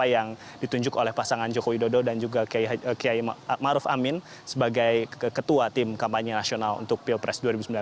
yang ditunjuk oleh pasangan joko widodo dan juga kiai maruf amin sebagai ketua tim kampanye nasional untuk pilpres dua ribu sembilan belas